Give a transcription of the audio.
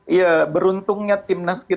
iya beruntungnya timnas kita